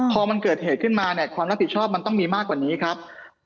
พอมันเกิดเหตุขึ้นมาเนี่ยความรับผิดชอบมันต้องมีมากกว่านี้ครับ